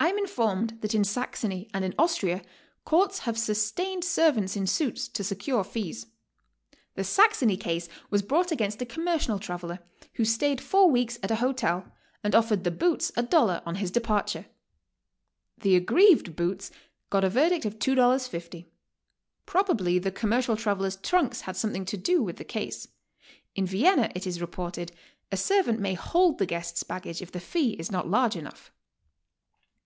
I am informed that in Saxony and in Austria courts have sustained servants in suits to secure fees. The Saxony case was brought against a commercial traveler w*ho stayed four weeks at a hotel and offered the "boots" a dollar 'on his departure. The aggrieved boots goit a verdict of $2.50. Prob ably the commercial traveler's trunks had something to do with the case. In Vienna, it is reported, a servant may hold the guest's baggage if the fee is not large enough.